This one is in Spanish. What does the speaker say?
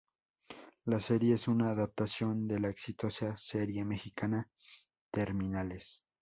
La serie es una adaptación de la exitosa serie mexicana Terminales.